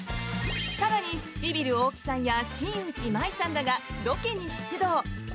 更に、ビビる大木さんや新内眞衣さんらがロケに出動。